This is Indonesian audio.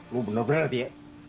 lu bener bener ngerti ya